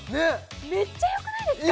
めっちゃ良くないですか？